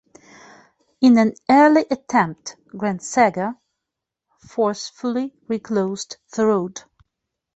In an early attempt, Grand Saga forcefully reclosed the road.